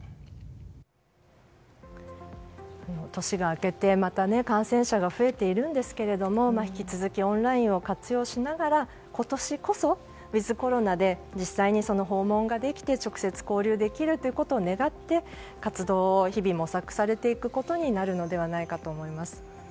年が明けて、感染者が増えているんですけれども引き続きオンラインを活用しながら今年こそ、ウィズコロナで実際に訪問ができて直接、交流できることを願って、活動を日々、模索されていくことになるのではないかと思います。